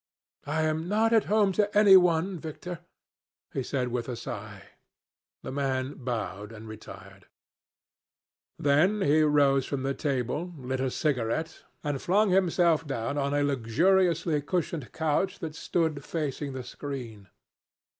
"I am not at home to any one, Victor," he said with a sigh. The man bowed and retired. Then he rose from the table, lit a cigarette, and flung himself down on a luxuriously cushioned couch that stood facing the screen.